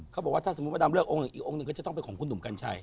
เขาบอกว่าถ้าสมมุติว่าดำเลือกองค์หนึ่งอีกองค์หนึ่งก็จะต้องเป็นของคุณหนุ่มกัญชัย